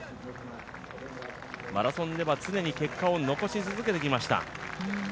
マラソンでは常に結果を残し続けてきました。